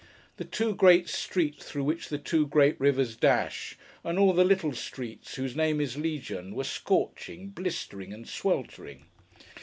The two great streets through which the two great rivers dash, and all the little streets whose name is Legion, were scorching, blistering, and sweltering.